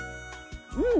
うん！